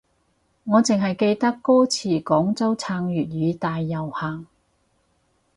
我淨係記得歌詞廣州撐粵語大遊行